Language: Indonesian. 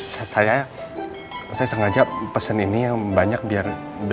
saya sengaja pesen ini yang banyak biar